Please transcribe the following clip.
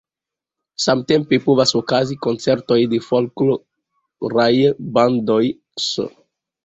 Samtempe povas okazi koncertoj de folkloraj bandoj ks.